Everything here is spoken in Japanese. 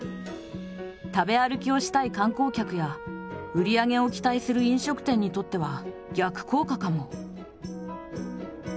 食べ歩きをしたい観光客や売り上げを期待する飲食店にとっては逆効果かも。